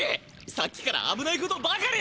さっきからあぶないことばかり！